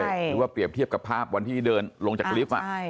หรือว่าเปรียบเทียบกับภาพวันที่เดินลงจากลิฟต์